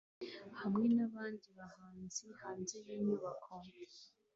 hamwe nabandi bahanzi hanze yinyubako